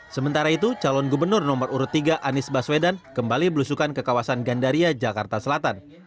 sementara itu calon gubernur nomor urut tiga anies baswedan kembali berusukan ke kawasan gandaria jakarta selatan